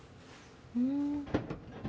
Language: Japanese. うん。